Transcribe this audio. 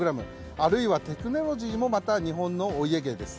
あるいはテクノロジーも日本のお家芸です。